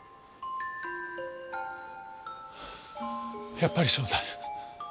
やっぱりそうだ。